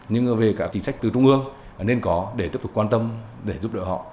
nhưng về các chính sách từ trung ương nên có để tiếp tục quan tâm để giúp đỡ họ